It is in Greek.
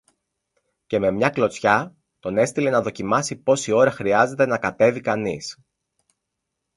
και με μια κλωτσιά τον έστειλε να δοκιμάσει πόση ώρα χρειάζεται να κατέβει κανείς